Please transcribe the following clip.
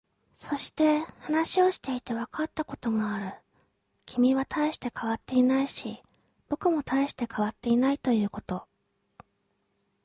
そして、話をしていてわかったことがある。君は大して変わっていないし、僕も大して変わっていないということ。